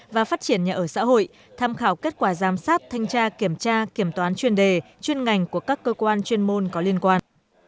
và phát triển nhà ở xã hội tham khảo kết quả giám sát thanh tra kiểm tra kiểm toán chuyên đề chuyên ngành của các cơ quan chuyên môn có liên quan